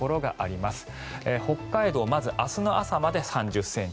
まず明日の朝までで３０ｃｍ